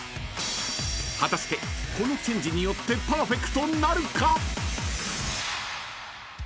［果たしてこのチェンジによってパーフェクトなるか！？］